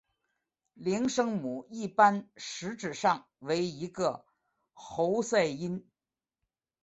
零声母一般实质上为一个喉塞音。